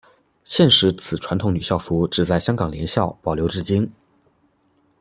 现时此传统女校服只在香港联校保留至今。